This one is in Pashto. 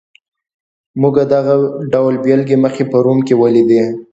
موږ دغه ډول بېلګې مخکې په روم کې ولیدلې.